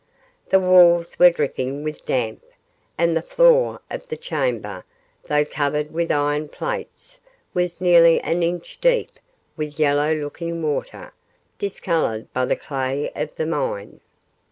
The walls were dripping with damp, and the floor of the chamber, though covered with iron plates, was nearly an inch deep with yellow looking water, discoloured by the clay of the mine.